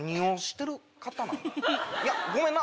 いやごめんな。